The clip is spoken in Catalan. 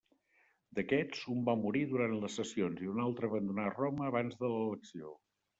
D'aquests, un va morir durant les sessions, i un altre abandonà Roma abans de l'elecció.